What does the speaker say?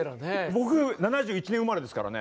僕７１年生まれですからね。